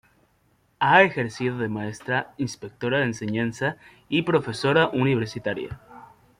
Ha ejercido de maestra, inspectora de enseñanza y profesora universitaria.